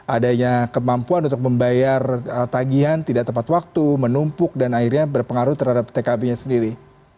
adanya kemampuan untuk membayar tagihan tidak tepat waktu menumpuk dan akhirnya berpengaruh terhadap tkb nya sendiri